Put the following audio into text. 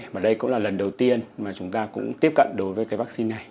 và đây cũng là lần đầu tiên mà chúng ta cũng tiếp cận đối với cái vaccine này